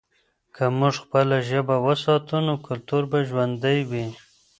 که موږ خپله ژبه وساتو، نو کلتور به ژوندی وي.